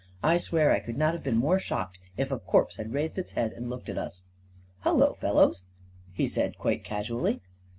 I swear I could not have been more shocked if a corpse had raised its head and looked at us !" Hullo, fellows," he said, quite casually.